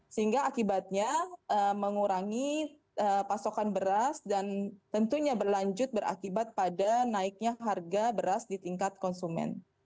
sehingga akibatnya mengurangi pasokan beras dan tentunya berlanjut berakibat pada naiknya harga beras di tingkat konsumen